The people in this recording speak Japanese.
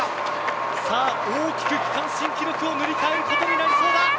さあ大きく区間新記録を塗り替えることになりそうだ。